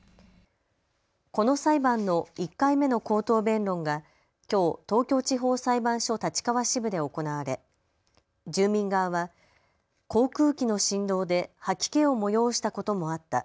この裁判の１回目の口頭弁論がきょう東京地方裁判所立川支部で行われ住民側は、航空機の振動で吐き気をもよおしたこともあった。